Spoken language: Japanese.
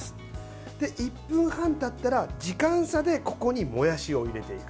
１分半たったら時間差で、ここにもやしを入れていく。